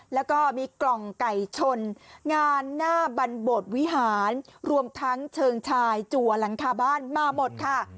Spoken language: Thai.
แล้วก็มีกล่องไก่ชนงานหน้าบรรบดวิหารรวมทั้งเชิงชายจัวหลังคาบ้านมาหมดค่ะ